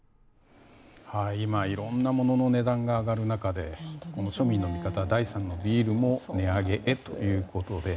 今、いろんなものの値段が上がる中で庶民の味方、第三のビールも値上げへということで。